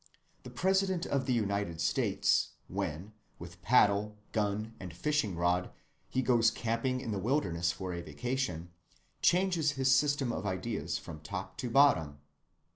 The President of the United States when, with paddle, gun, and fishing‐rod, he goes camping in the wilderness for a vacation, changes his system of ideas from top to bottom.